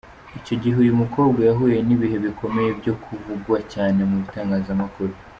Icyo gihe, uyu mukobwa yahuye n’ibihe bikomeye byo kuvugwa cyane mu bitangazamakuru.